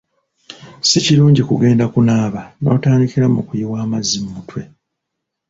Si kirungi kugenda kunaaba n'otandikira mu kuyiwa amazzi mutwe.